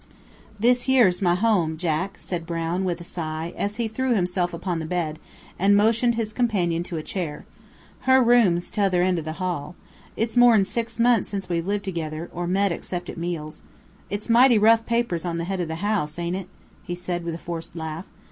"This yer's my home, Jack," said Brown, with a sigh, as he threw himself upon the bed, and motioned his companion to a chair. "Her room's t'other end of the hall. It's more'n six months since we've lived together, or met, except at meals. It's mighty rough papers on the head of the house, ain't it?" he said, with a forced laugh.